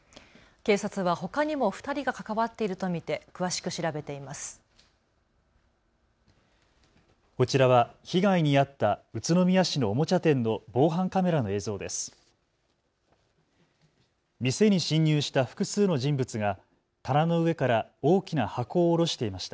警察はほかにも２人が関わっていると見て詳しく調べています。